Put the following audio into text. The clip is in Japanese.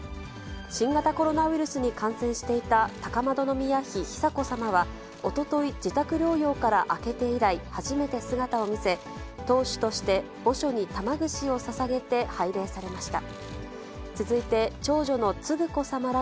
新型コロナウイルスに感染していた高円宮妃久子さまは、おととい、自宅療養から明けて以来、初めて姿を見せ、とうしゅとして墓所に玉串をささげて拝礼されました。